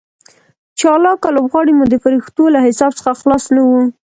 چالاکه لوبغاړي مو د فرښتو له حساب څخه خلاص نه وو.